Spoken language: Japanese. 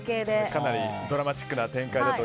かなりドラマチックな展開ですね。